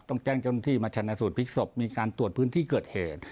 ต้องแจ้งเจ้าหน้าที่มาชนะสูตรพลิกศพมีการตรวจพื้นที่เกิดเหตุ